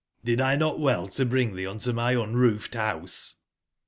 Did 148 Inotwell to bring tbcc in to my unroofed house?"